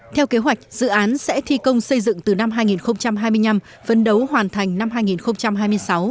theo kế hoạch dự án sẽ thi công xây dựng từ năm hai nghìn hai mươi năm phấn đấu hoàn thành năm hai nghìn hai mươi sáu